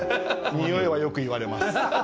においは、よく言われます。